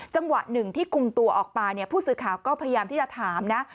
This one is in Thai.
จังหวะหนึ่งที่คุมตัวออกมาเนี่ยผู้สื่อข่าวก็พยายามที่จะถามนะ